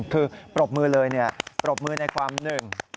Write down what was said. คือปรบมือเลยปรบมือในความหนึ่ง